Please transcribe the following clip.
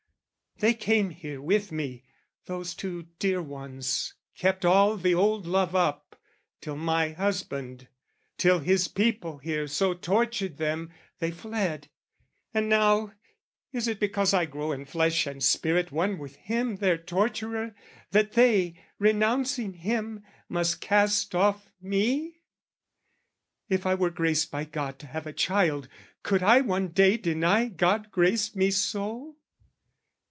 "They came here with me, those two dear ones, kept "All the old love up, till my husband, till "His people here so tortured them, they fled. "And now, is it because I grow in flesh "And spirit one with him their torturer, "That they, renouncing him, must cast off me? "If I were graced by God to have a child, "Could I one day deny God graced me so?